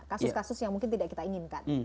kasus kasus yang mungkin tidak kita inginkan